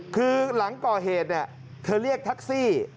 คือหลังก่อเหตุเธอเรียกแท็กซี่